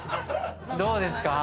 どうですか？